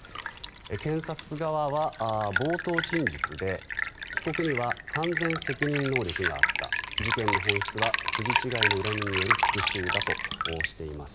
検察側は冒頭陳述で被告には完全責任能力があった事件の本質は筋違いの恨みによる復しゅうだとしています。